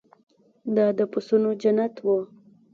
دا د پسونو جنت و.